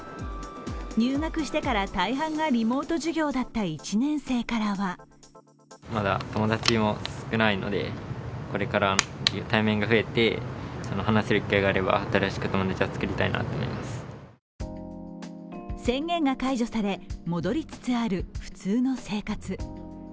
入学してから大半がリモート授業だった１年生からは宣言が解除され、戻りつつある普通の生活。